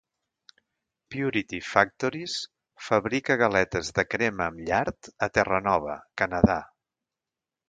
Purity Factories fabrica galetes de crema amb llard a Terranova, Canadà.